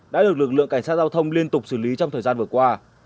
đã được lực lượng cảnh sát giao thông liên tục xử lý trong thời gian vừa qua